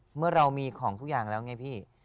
เมื่อเรามีของทุกอย่างแล้วไงพี่